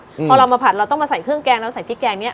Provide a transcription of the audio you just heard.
พอเรามาผัดเราต้องมาใส่เครื่องแกงเราใส่พริกแกงเนี้ย